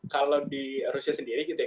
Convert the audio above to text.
kalau di rusia sendiri gitu ya